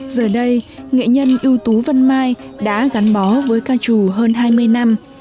giờ đây nghệ nhân ưu tú vân mai đã gắn bó với ca trù hơn hai mươi năm